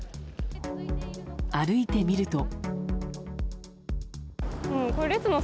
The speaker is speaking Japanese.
歩いてみると。